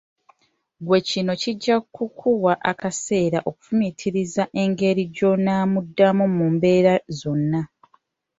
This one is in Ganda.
Ggwe kino kijja kukuwa akaseera okufumintiriza engeri gy’onoomuddamu mu mbeera zonna.